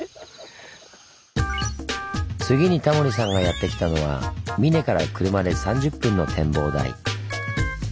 次にタモリさんがやってきたのは三根から車で３０分の展望台。